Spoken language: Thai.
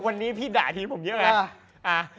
วันนี้พี่ด่าทีผมเยอะไง